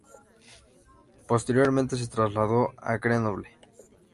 Posteriormente se trasladó a Grenoble.